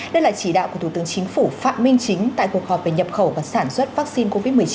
đây là chỉ đạo của thủ tướng chính phủ phạm minh chính tại cuộc họp về nhập khẩu và sản xuất vaccine covid một mươi chín